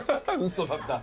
嘘だった。